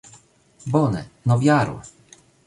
Bone, novjaro!